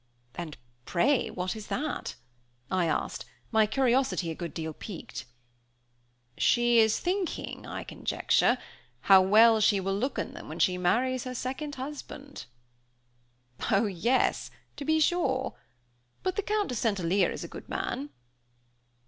"And pray what is that?" I asked, my curiosity a good deal piqued. "She is thinking, I conjecture, how well she will look in them when she marries her second husband." "Oh? yes, to be sure. But the Count de St. Alyre is a good man?"